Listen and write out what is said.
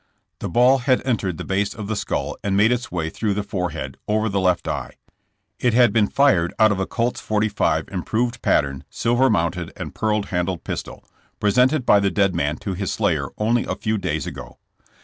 The ball had entered the base of the skull and made its way out through the forehead, over the left eye. It had been fired out of a Colt's 45 improved pattern, silver mounted and pearl handled pistol, presented by the dead man to his slayer only a fev/ days ago.